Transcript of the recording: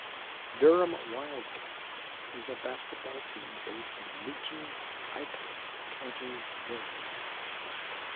Durham Wildcats is a basketball team based in Newton Aycliffe, County Durham.